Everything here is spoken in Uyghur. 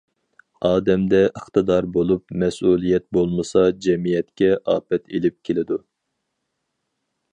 ئادەمدە ئىقتىدار بولۇپ مەسئۇلىيەت بولمىسا، جەمئىيەتكە ئاپەت ئېلىپ كېلىدۇ.